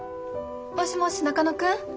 もしもし中野君？